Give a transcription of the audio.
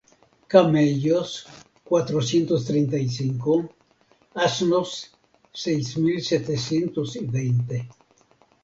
Camellos, cuatrocientos treinta y cinco; asnos, seis mil setecientos y veinte.